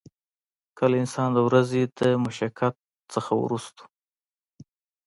کۀ انسان د ورځې د مشقت نه وروستو